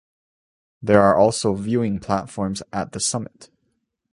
There are also viewing platforms at the summit.